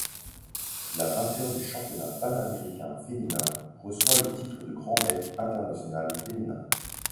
La vainqueur du championnat panaméricain féminin reçoit le titre de grand maître international féminin.